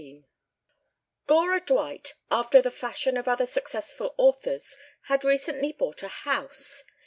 XIV Gora Dwight, after the fashion of other successful authors, had recently bought a house.